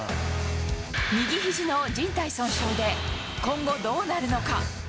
右ひじのじん帯損傷で、今後どうなるのか。